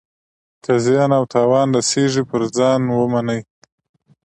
که زیان او تاوان رسیږي پر ځان ومني.